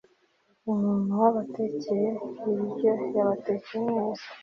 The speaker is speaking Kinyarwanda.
umuntu wabatekeye ibiryo yabatekeye neza